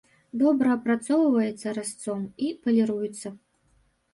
Добра апрацоўваецца разцом і паліруецца.